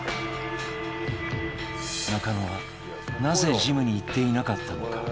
中野はなぜジムに行っていなかったのか？